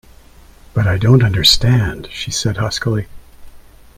“But I don’t understand,” she said huskily.